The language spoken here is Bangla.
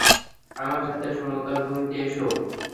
আমার সাথে সমতল ভূমিতে এসো।